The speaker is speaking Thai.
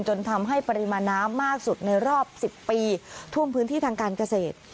จนทำให้ปริมาณน้ำมากสุดในรอบ๑๐ปีท่วมพื้นที่ทางการเกษตร